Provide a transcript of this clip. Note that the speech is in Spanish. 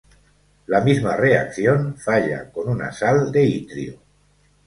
La misma reacción falla con una sal de itrio.